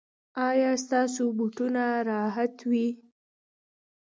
ایا ستاسو بوټونه به راحت وي؟